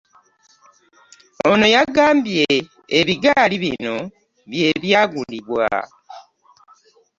Ono yagambye ebigaali bino by'ebyagulibwa